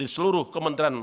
aksi pk yang kesembilan